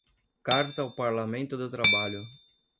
Carta ao Parlamento do Trabalho